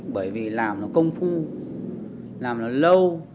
bởi vì làm nó công phu làm nó lâu